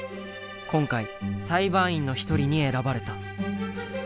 今回裁判員の一人に選ばれた。